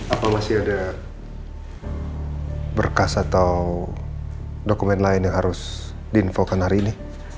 apa masih ada berkas atau dokumen lain yang harus diinfokan hari ini